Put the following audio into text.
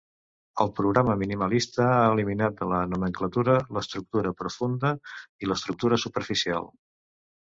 El programa minimalista ha eliminat de la nomenclatura l’estructura profunda i l’estructura superficial.